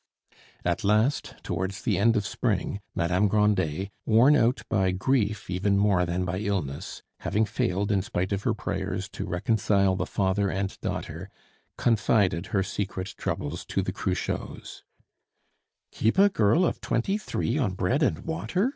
At last, towards the end of spring, Madame Grandet, worn out by grief even more than by illness, having failed, in spite of her prayers, to reconcile the father and daughter, confided her secret troubles to the Cruchots. "Keep a girl of twenty three on bread and water!"